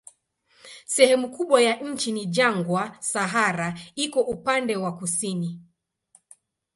Sehemu kubwa ya nchi ni jangwa, Sahara iko upande wa kusini.